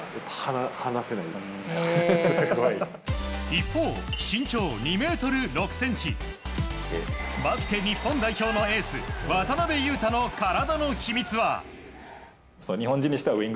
一方、身長２ｍ６ｃｍバスケ日本代表のエース渡邊雄太の体の秘密は。